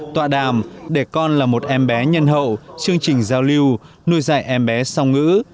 tọa đàm để con là một em bé nhân hậu chương trình giao lưu nuôi dạy em bé song ngữ